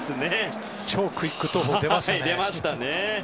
超クイック投法出ましたね。